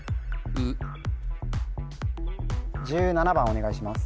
１７番お願いします